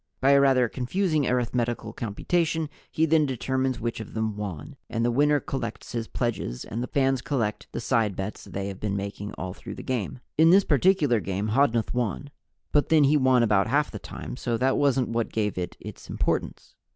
By a rather confusing arithmetical computation he then determines which of them won, and the winner collects his pledges and the fans collect the side bets they have been making all through the game. In this particular game Hodnuth won. But then he won about half the time, so that wasn't what gave it its importance.